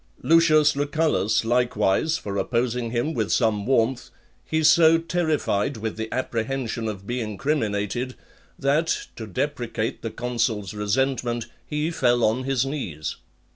Lucius Lucullus, likewise, for opposing him with some warmth, he so terrified with the apprehension of being criminated, that, to deprecate the consul's resentment, he fell on his knees.